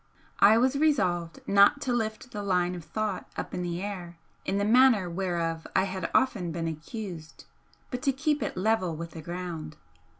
I was resolved not to lift the line of thought 'up in the air' in the manner whereof I had often been accused, but to keep it level with the ground.